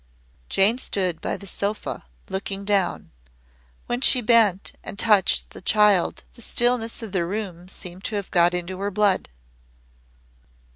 Jane stood by the sofa looking down. When she bent and touched the child the stillness of the room seemed to have got into her blood.